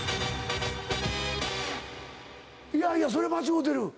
いやいやそれ間違うてる！